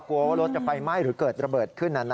กลัวว่ารถจะไฟไหม้หรือเกิดระเบิดขึ้น